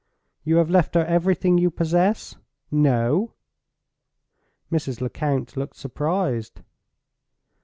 "You have left her everything you possess?" "No." Mrs. Lecount looked surprised.